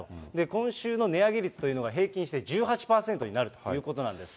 今週の値上げ率というのは、平均して１８％になるということなんです。